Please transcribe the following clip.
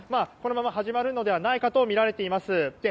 このまま始まるのではないかとみられています。